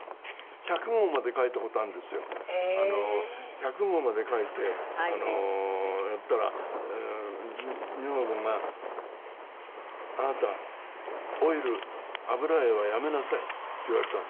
１００号まで描いてやったら女房が「あなたオイル油絵はやめなさい」って言われたの。